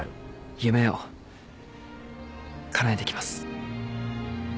夢をかなえてきます。